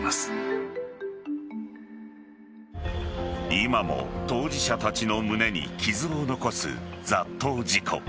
今も当事者たちの胸に傷を残す雑踏事故。